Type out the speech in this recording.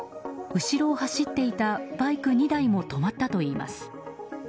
後ろを走っていたバイク２台も止まったといいます。